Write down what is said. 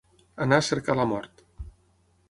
Anar a cercar la mort.